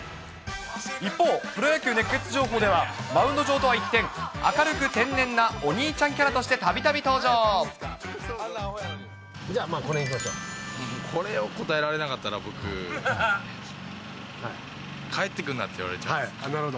一方、プロ野球熱ケツ情報では、マウンド上とは一転、明るく天然なお兄ちゃんキャラとしてたびたじゃあまあ、これいきましょこれを答えられなかったら、僕、帰ってくるなって言われちゃいます。